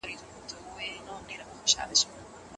شيخ جميل الرحمن د کونړ پيج درې وو، ډير ستر او معتبر عالم وو